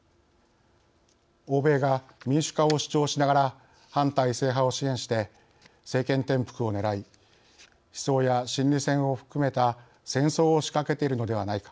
欧米が民主化を主張しながら反体制派を支援して政権転覆を狙い思想や心理戦を含めた戦争を仕掛けているのではないか。